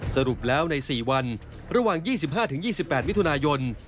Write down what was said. สรุปแล้วใน๔วันระหว่าง๒๕๒๘มิถุนายน